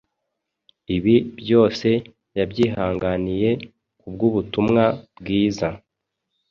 ibi byose yabyihanganiye kubw’ubutumwa bwiza. “